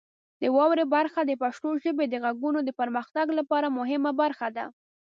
د واورئ برخه د پښتو ژبې د غږونو د پرمختګ لپاره مهمه برخه ده.